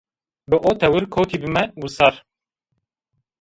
Bi o tewir kewtîme wisar